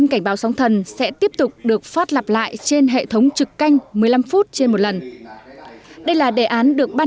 cảnh báo sóng thần sẽ tiếp tục được phát lặp lại trên hệ thống trực canh một mươi năm phút trên một lần